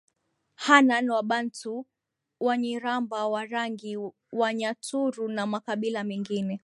Hanan Wabantu Wanyiramba Warangi Wanyaturu na makabila mengine